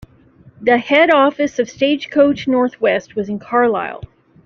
The head office of Stagecoach North West was in Carlisle.